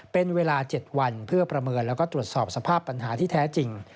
เป็นเวลา๗วันเพื่อประเมินแล้วก็ตรวจสอบสภาพปัญหาที่แท้จริง